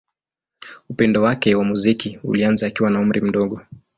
Upendo wake wa muziki ulianza akiwa na umri mdogo.